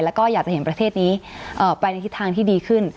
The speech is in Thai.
แล้วก็อยากจะเห็นประเทศนี้ไปในทิศทางที่ดีขึ้น